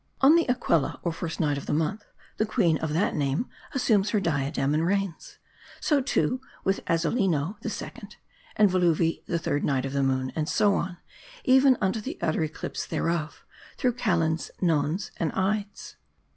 On the Aquella, or First Night of the month, the queen of that name assumes her diadem, and reigns. So too with Azzolino the Second, and Velluvi the Third Night of the Moon ; and so on, even unto the utter eclipse thereof ; through Calends, Nones, and Ides.